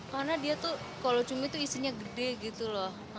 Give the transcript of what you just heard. karena dia tuh kalau cumi tuh isinya gede gitu loh